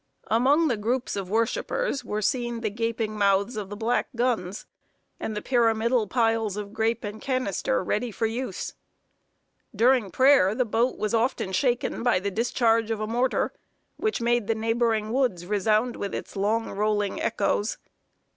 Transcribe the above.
Among the groups of worshipers were seen the gaping mouths of the black guns, and the pyramidal piles of grape and canister ready for use. During prayer, the boat was often shaken by the discharge of a mortar, which made the neighboring woods resound with its long, rolling echoes.